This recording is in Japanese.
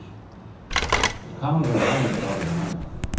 彼女に会いに行ったわけじゃないよ。